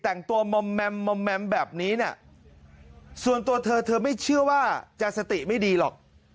แต่งตัวแบบนี้ส่วนตัวเธอไม่เชื่อว่าจะสติไม่ดีหรอก